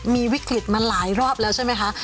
มีวิกฤตมาหลายรอบแล้วใช่ไหมคะ